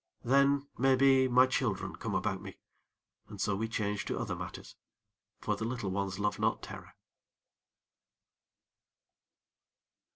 Then, maybe, my children come about me, and so we change to other matters; for the little ones love not terror.